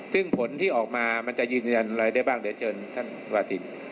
ซึ่งผลที่ออกมามันจะยืนยันอะไรได้บ้างเดี๋ยวเชิญท่านวาติน